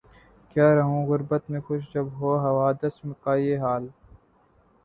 کیا رہوں غربت میں خوش جب ہو حوادث کا یہ حال